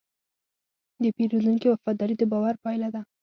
د پیرودونکي وفاداري د باور پايله ده.